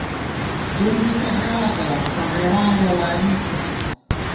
توئیں بی تہ ہېڑا گاؤو، خو ہېڑا یَہ واری تھنہ